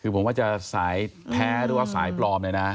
คือผมว่าจะสายแท้หรือว่าสายปลอมเลยนะ